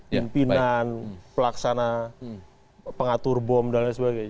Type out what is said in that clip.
pimpinan pelaksana pengatur bom dan lain sebagainya